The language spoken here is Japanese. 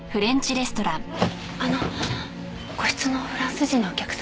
あの個室のフランス人のお客様